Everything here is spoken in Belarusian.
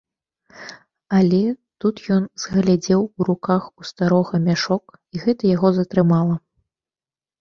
Але тут ён згледзеў у руках у старога мяшок, і гэта яго затрымала.